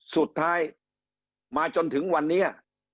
สุดท้ายมาจนถึงวันนี้